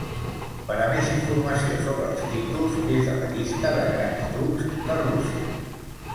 Per a més informació sobre els títols vés a la llista de grans ducs de Rússia.